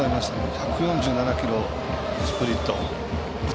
１４７キロ、スプリット。